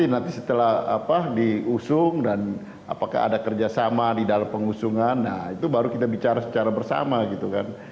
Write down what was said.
nanti setelah apa diusung dan apakah ada kerjasama di dalam pengusungan nah itu baru kita bicara secara bersama gitu kan